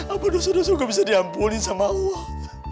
apa dosa dosa juga bisa diampuni sama allah